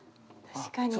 確かに。